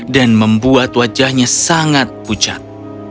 dan membuat wajahnya sangat pucat